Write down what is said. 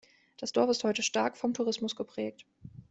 Das Dorf ist heute stark vom Tourismus geprägt.